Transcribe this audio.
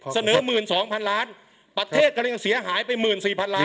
เสนอหมื่นสองพันล้านประเทศก็ยังเสียหายไปหมื่นสี่พันล้าน